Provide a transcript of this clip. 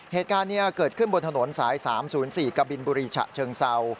เหตุการณ์นี้เกิดขึ้นบนถนนสาย๓๐๔กบินบุรีฉะเชิงเศร้า